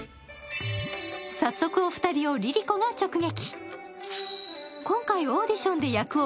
早速、お二人をＬｉＬｉＣｏが直撃。